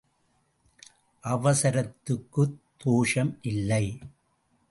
அவசரத்துக்குத் தோஷம் இல்லை.